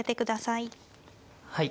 はい。